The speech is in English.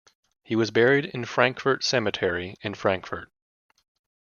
He was buried in Frankfort Cemetery in Frankfort.